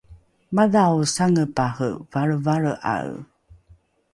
madhao sangepare valrevalre’ae